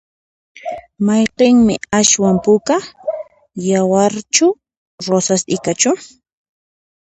Mayqinmi aswan puka? yawarchu rosas t'ikachu?